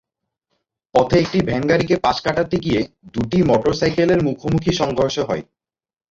পথে একটি ভ্যানগাড়িকে পাশ কাটাতে গিয়ে দুটি মোটরসাইকেলের মুখোমুখি সংঘর্ষ হয়।